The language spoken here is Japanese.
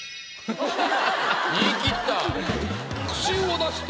言い切った。